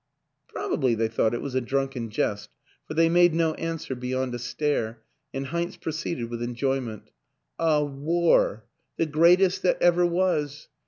Probably they thought it was a drunken jest, for they made no answer beyond a stare, and Heinz proceeded with enjoyment. " A War. The Greatest that ever was.